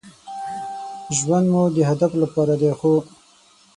ژوند مو د هدف لپاره دی ،خو